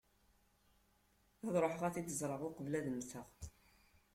Ad ṛuḥeɣ ad t-id-ẓreɣ uqbel ad mmteɣ.